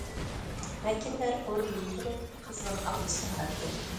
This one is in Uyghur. ۋەكىللەر ئورنىدىن تۇرۇپ قىزغىن ئالقىش ياڭراتتى.